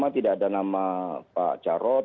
tidak ada nama pak jarod